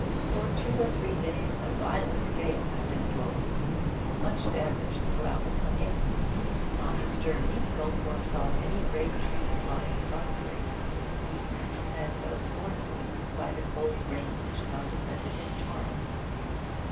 For two or three days a violent gale had been blowing, with much damage throughout the country; on his journey Goldthorpe saw many great trees lying prostrate, beaten, as though scornfully, by the cold rain which now descended in torrents.